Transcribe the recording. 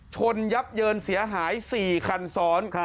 ยับเยินเสียหาย๔คันซ้อน